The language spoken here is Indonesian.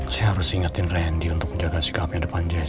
saya harus ingetin randy untuk menjaga sikapnya depan jazz